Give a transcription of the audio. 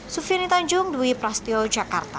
sufini tanjung dwi prasetyo jakarta